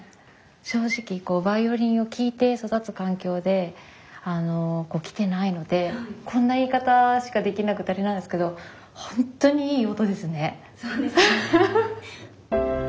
正直こうバイオリンを聴いて育つ環境であのきてないのでこんな言い方しかできなくてあれなんですけどホントにいい音ですね。